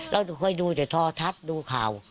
อืมค่อยดูแต่ทอทัตริย์ดูข่าว